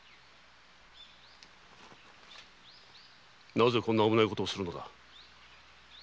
なぜこんな危ないことをするのだ。